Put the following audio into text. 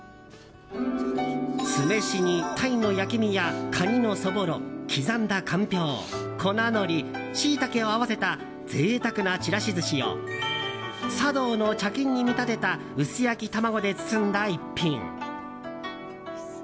酢飯にタイの焼き身やカニのそぼろ刻んだかんぴょう、粉のりシイタケを合わせた贅沢なちらし寿司を茶道の茶巾に見立てた薄焼き卵で包んだ逸品。